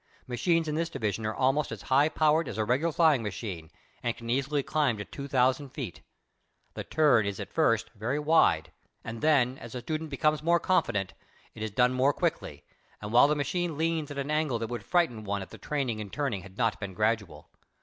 Machines in this division are almost as high powered as a regular flying machine, and can easily climb to two thousand feet. The turn is at first very wide, and then, as the student becomes more confident, it is done more quickly, and while the machine leans at an angle that would frighten one if the training in turning had not been gradual.